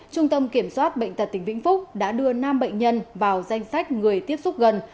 trung tâm kiểm soát bệnh tật tỉnh vĩnh phúc đã đưa năm bệnh nhân vào danh sách người tiếp xúc gần